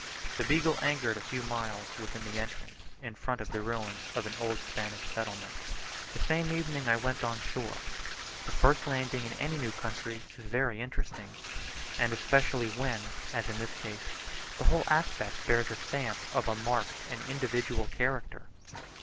The Beagle anchored a few miles within the entrance, in front of the ruins of an old Spanish settlement. The same evening I went on shore. The first landing in any new country is very interesting, and especially when, as in this case, the whole aspect bears the stamp of a marked and individual character.